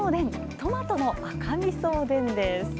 トマトの赤みそおでんです。